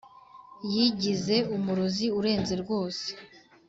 yigize umurozi urenze rwose